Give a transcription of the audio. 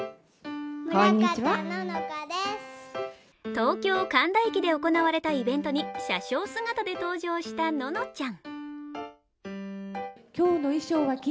東京・神田駅で行われたイベントに車掌姿で登場したののちゃん。